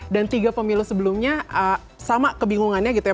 dan tiga pemilu sebelumnya sama kebingungannya gitu ya